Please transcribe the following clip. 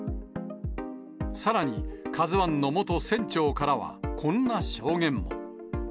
さらに、カズワンの元船長からは、こんな証言も。